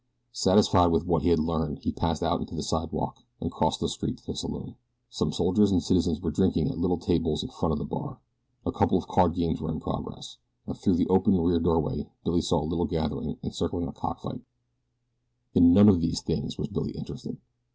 Satisfied with what he had learned he passed out onto the sidewalk and crossed the street to a saloon. Some soldiers and citizens were drinking at little tables in front of the bar. A couple of card games were in progress, and through the open rear doorway Billy saw a little gathering encircling a cock fight. In none of these things was Billy interested.